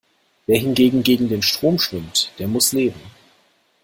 Wer hingegen gegen den Strom schwimmt, der muss leben.